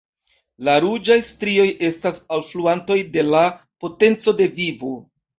La ruĝaj strioj estas alfluantoj de la potenco de vivo.